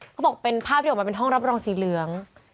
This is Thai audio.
เขาบอกเป็นภาพที่ออกมาเป็นห้องรับรองสีเหลือง